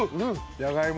じゃがいもね。